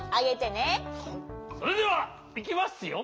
それではいきますよ。